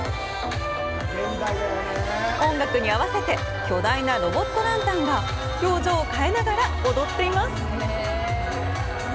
音楽に合わせて巨大なロボットランタンが表情を変えながら踊っています。